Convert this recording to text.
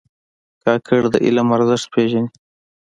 کاکړ د علم ارزښت پېژني.